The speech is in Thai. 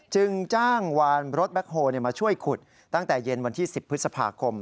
จ้างวานรถแบ็คโฮมาช่วยขุดตั้งแต่เย็นวันที่๑๐พฤษภาคม